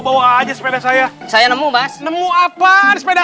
bawa aja sepeda saya